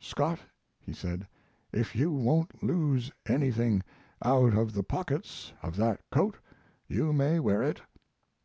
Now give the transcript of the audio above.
"Scott," he said, "if you won't lose anything out of the pockets of that coat you may wear it."